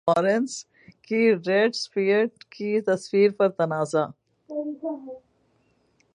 Jennifer Lawrence کی red sparrow کی تصویر پر تنازع